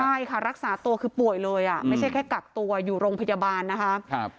ใช่ค่ะรักษาตัวคือป่วยเลยอ่ะไม่ใช่แค่กักตัวอยู่โรงพยาบาลนะคะ